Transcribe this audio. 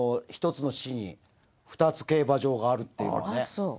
１つの市に２つ競馬場があるっていうのはね。